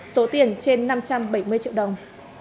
số tiền trên năm trăm bảy mươi triệu đồng